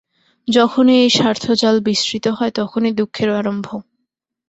যখনই এই স্বার্থজাল বিস্তৃত হয়, তখনই দুঃখের আরম্ভ।